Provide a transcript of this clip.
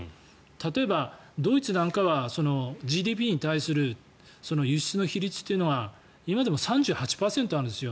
例えばドイツなんかはＧＤＰに対する輸出の比率というのは今でも３８％あるんですよ。